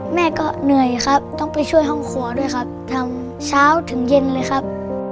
แม่ก็เหนื่อยครับต้องไปช่วยห้องครัวด้วยครับทำเช้าถึงเย็นเลยครับ